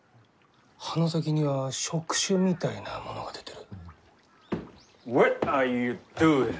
葉の先には触手みたいなものが出てる。